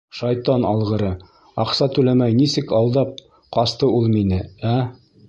Шайтан алғыры, аҡса түләмәй нисек алдап ҡасты ул мине, ә?